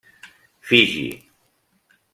Fiji.